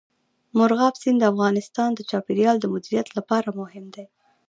مورغاب سیند د افغانستان د چاپیریال د مدیریت لپاره مهم دي.